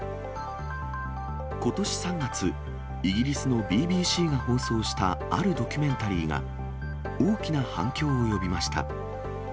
ことし３月、イギリスのＢＢＣが放送したあるドキュメンタリーが、大きな反響を呼びました。